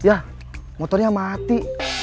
yah motornya mati